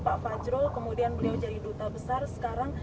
akhir pak fajrol kemudian beliau jadi duta besar sekarang